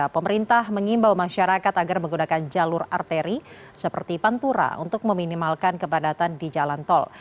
pemerintah mengimbau masyarakat agar menggunakan jalur arteri seperti pantura untuk meminimalkan kebadatan di jalan tol